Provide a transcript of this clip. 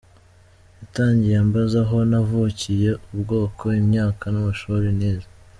Yatangiye ambaza aho navukiye, ubwoko, imyaka n’amashuri nize.